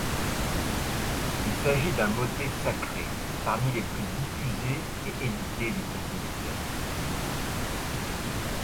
Il s'agit d'un motet sacré parmi les plus diffusés et édités du compositeur.